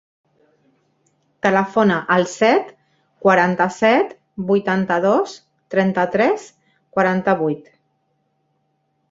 Telefona al set, quaranta-set, vuitanta-dos, trenta-tres, quaranta-vuit.